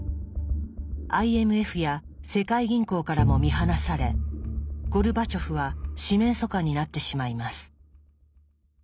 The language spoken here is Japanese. ＩＭＦや世界銀行からも見放されゴルバチョフは四面楚歌になってしまいます。